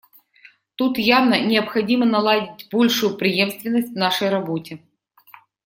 Тут явно необходимо наладить большую преемственность в нашей работе.